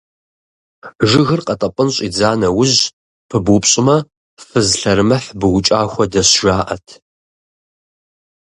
Жыгыр къэтӀэпӀын щӀидза нэужь пыбупщӀмэ, фыз лъэрымыхь быукӀа хуэдэщ, жаӀэт.